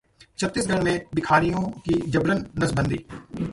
छत्तीसगढ़ में भिखारियों की जबरन नसबंदी